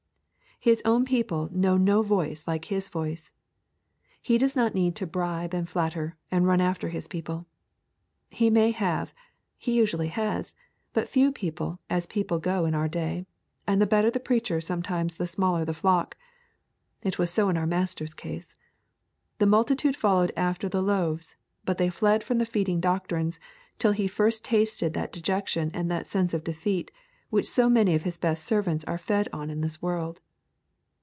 His own people know no voice like his voice. He does not need to bribe and flatter and run after his people. He may have, he usually has, but few people as people go in our day, and the better the preacher sometimes the smaller the flock. It was so in our Master's case. The multitude followed after the loaves but they fled from the feeding doctrines, till He first tasted that dejection and that sense of defeat which so many of His best servants are fed on in this world.